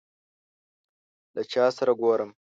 له چا سره ګورې ؟